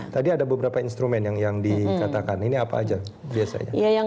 tadi ada beberapa instrumen yang dikatakan ini apa aja biasanya